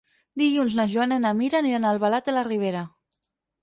Dilluns na Joana i na Mira aniran a Albalat de la Ribera.